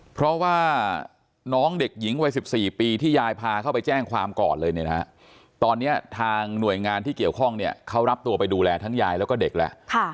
เพราะว่าน้องเด็กหญิงวัย๑๔ปีที่ยายพาเข้าไปแจ้งความก่อนเลยเนี่ยนะฮะตอนนี้ทางหน่วยงานที่เกี่ยวข้องเนี่ยเขารับตัวไปดูแลทั้งยายแล้วก็เด็กแล้ว